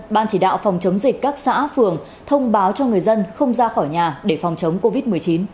ban chỉ đạo phòng chống dịch các xã phường thông báo cho người dân không ra khỏi nhà để phòng chống covid một mươi chín